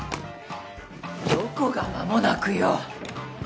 どこが間もなくよ！